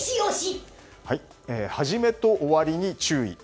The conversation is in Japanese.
はじめとおわりに注意。